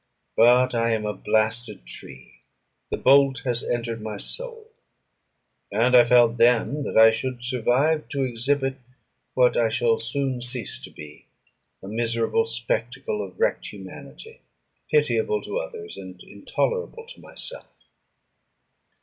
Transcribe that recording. But I am a blasted tree; the bolt has entered my soul; and I felt then that I should survive to exhibit, what I shall soon cease to be a miserable spectacle of wrecked humanity, pitiable to others, and intolerable to myself.